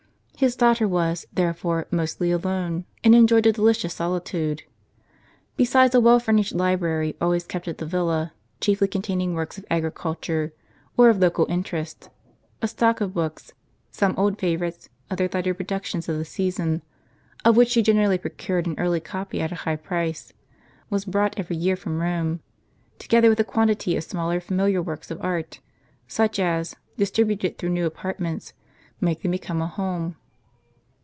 His daughter was, therefore, mostly alone, and enjoyed a delicious solitude. Besides a well furnished library always kept at the villa, chiefly containing works on agricul ture, or of a local interest, a stock of books, some old favorites, other lighter productions of the season (of which she generally procured an early copy at a high price), was biought every year from Rome, together with a quantity of smaller familiar works of art, such as, distributed through new apartments, make them become a home.